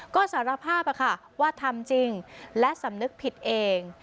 ก็สารภาพว่าทำจริงและสำนึกผิดเอง